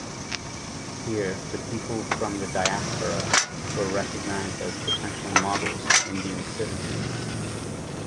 Here, the people from the diaspora were recognized as potential models for Indian citizens.